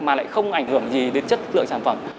mà lại không ảnh hưởng gì đến chất lượng sản phẩm